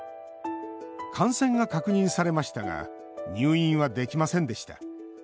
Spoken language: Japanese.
感染が確認されましたが入院はできませんでした。